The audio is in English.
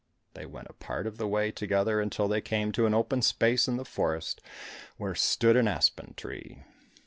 They went a part of the way together until they came to an open space in the forest, where stood an aspen tree.